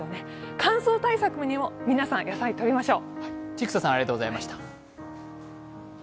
乾燥対策にも皆さん、野菜をとりましょう。